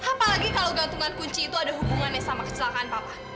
apalagi kalau gantungan kunci itu ada hubungannya sama kecelakaan papa